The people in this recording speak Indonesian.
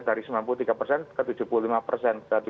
dari sembilan puluh tiga persen ke tujuh puluh lima persen